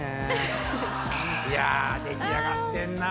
いや出来上がってんな。